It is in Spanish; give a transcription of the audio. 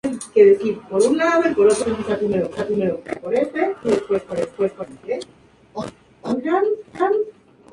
Los juveniles tienen matices pardos y dos barras claras en cada ala.